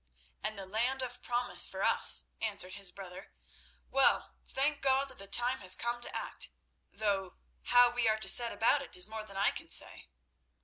"And the Land of Promise for us," answered his brother. "Well, thank God that the time has come to act, though how we are to set about it is more than I can say."